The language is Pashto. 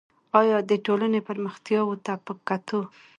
آیا دې ټولو پرمختیاوو ته په کتو